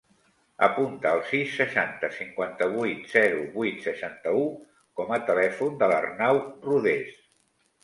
Apunta el sis, seixanta, cinquanta-vuit, zero, vuit, seixanta-u com a telèfon de l'Arnau Rodes.